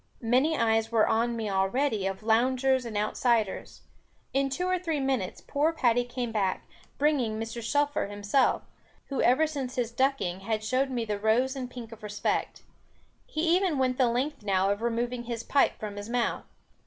Many eyes were on me already of loungers and outsiders. In two or three minutes poor Patty came back, bringing Mr. Shelfer himself, who ever since his ducking had shown me the rose and pink of respect. He even went the length now of removing his pipe from his mouth.